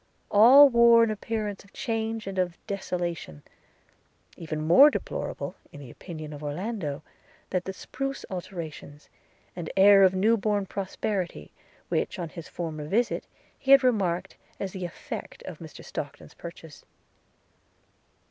All wore an appearance of change and of desolation, even more deplorable, in the opinion of Orlando, that the spruce alterations, and air of new born prosperity, which, on his former visit, he had remarked as the effect of Mr Stockton's purchase.